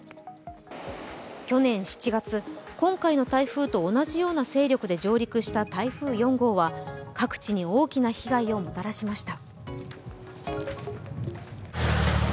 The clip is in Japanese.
去年７月、今回の台風と同じような勢力で上陸した台風４号は各地に大きな被害をもたらしました。